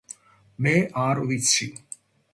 მე არ ვიცი